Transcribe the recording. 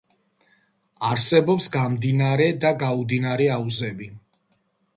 არსებობს გამდინარე და გაუდინარი აუზები.